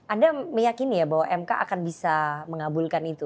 anda meyakini ya bahwa mk akan bisa mengabulkan itu